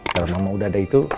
kalau memang udah ada itu